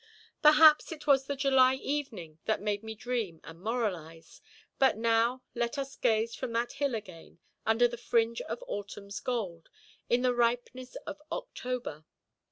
Perhaps it was the July evening that made me dream and moralise; but now let us gaze from that hill again, under the fringe of autumnʼs gold, in the ripeness of October.